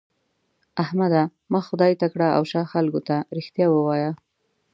احمده! مخ خدای ته کړه او شا خلګو ته؛ رښتيا ووايه.